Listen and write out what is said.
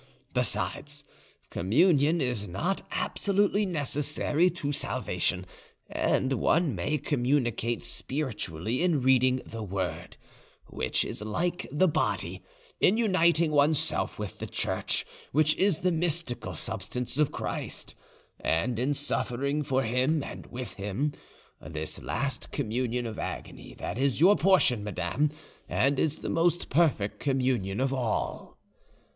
Besides, communion is not absolutely necessary to salvation, and one may communicate spiritually in reading the word, which is like the body; in uniting oneself with the Church, which is the mystical substance of Christ; and in suffering for Him and with Him, this last communion of agony that is your portion, madame, and is the most perfect communion of all.